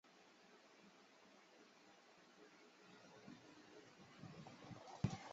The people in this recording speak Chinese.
缺点为环道设计容易造成车流回堵。